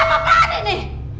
apa peran ini